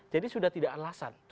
jadi sudah tidak ada alasan